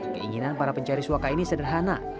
keinginan para pencari suaka ini sederhana